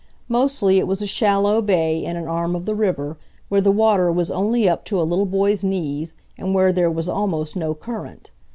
Mostly it was a shallow bay in an arm of the river, where the water was only up to a little boy's knees and where there was almost no current.